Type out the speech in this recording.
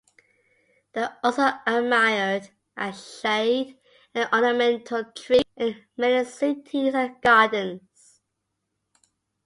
They are also admired as shade and ornamental trees in many cities and gardens.